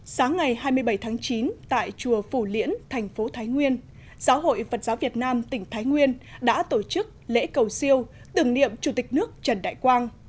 sáng ngày hai mươi bảy tháng chín tại chùa phủ liễn thành phố thái nguyên giáo hội phật giáo việt nam tỉnh thái nguyên đã tổ chức lễ cầu siêu tưởng niệm chủ tịch nước trần đại quang